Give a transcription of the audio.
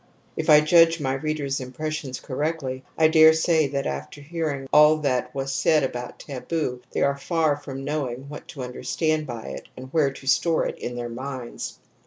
If I judge my readers' impressions correctly, I dare say that after hearing all that was said about taboo they are far from knowing what to understand by it and where to store it in their minds.